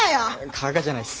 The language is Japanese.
加賀じゃないっす。